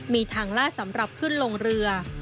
มีทางลาดสำหรับขึ้นลงเรือ